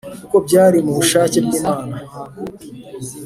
kuko byari mubushake bw’imana"